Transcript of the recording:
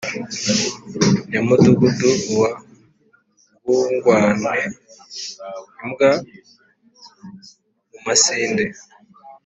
nyamudugudu wa bwungwane-imbwa mu masinde.